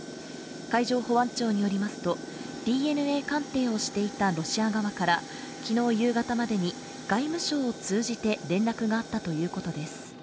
海上保安庁によりますとＤＮＡ鑑定をしていたロシア側からきのう夕方までに外務省を通じて連絡があったということです